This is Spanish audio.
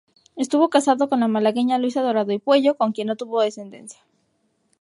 Estuvo casado con la malagueña Luisa Dorado y Puello, con quien no tuvo descendencia.